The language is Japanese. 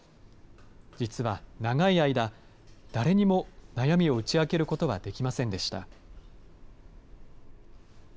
実は長い間、誰にも悩みを打ち明けることはできませんでした。